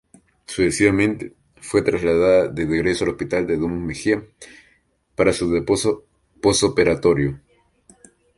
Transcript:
Sucesivamente, fue trasladada de regreso al Hospital de Ramos Mejía para su reposo postoperatorio.